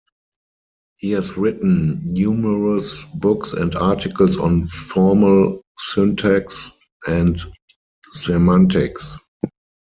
He has written numerous books and articles on formal syntax and semantics.